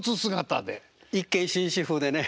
一見紳士風でね。